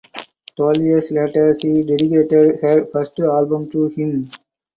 Twelve years later she dedicated her first album to him.